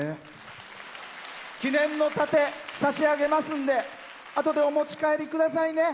記念の盾差し上げますんであとでお持ち帰りくださいね。